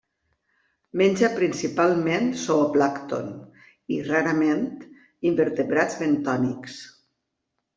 Menja principalment zooplàncton i, rarament, invertebrats bentònics.